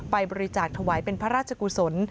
ไปบริจาคถวายเป็นพระราชกุศล